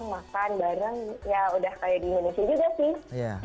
makan bareng ya udah kayak di indonesia juga sih